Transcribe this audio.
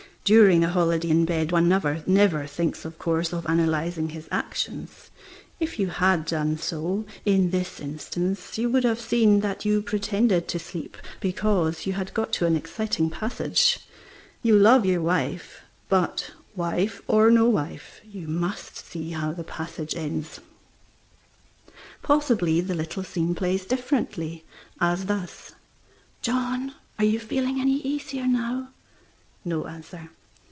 During a holiday in bed one never thinks, of course, of analyzing his actions. If you had done so in this instance, you would have seen that you pretended sleep because you had got to an exciting passage. You love your wife, but, wife or no wife, you must see how the passage ends. Possibly the little scene plays differently, as thus "John, are you feeling any easier now?" No answer.